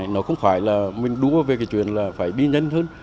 nó không phải là mình đúa về cái chuyện là phải đi nhân hơn